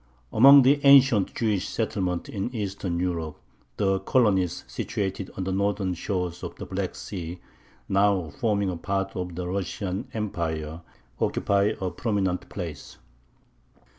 Among the ancient Jewish settlements in Eastern Europe the colonies situated on the northern shores of the Black Sea, now forming a part of the Russian Empire, occupy a prominent place.